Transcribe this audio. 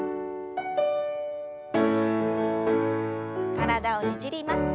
体をねじります。